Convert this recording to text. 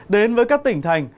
đến với các tỉnh thành